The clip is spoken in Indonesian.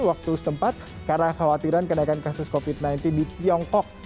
waktu setempat karena khawatiran kenaikan kasus covid sembilan belas di tiongkok